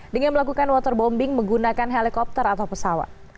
dengan melakukan waterbombing menggunakan helikopter atau pesawat